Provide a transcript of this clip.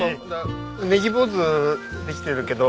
ネギ坊主できてるけど。